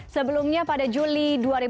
sebelumnya pada juli dua ribu sebelas